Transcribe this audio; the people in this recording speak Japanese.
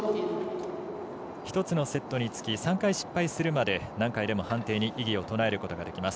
１つのセットにつき３回失敗するまで何回でも判定に異議を唱えることができます。